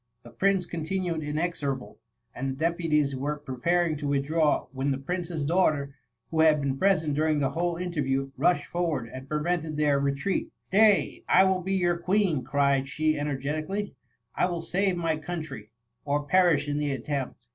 The prince con tinued inexorable ; and the deputies were pre THE MUMMY. 9 paring to withdraw, when the princess daugh ter, who had been present during the whole in terview, rushed forward and prevented thdr re treat :—Stay ! I will be your Queen,'* cried she energetically ;" I will save my country, or perish in the attempt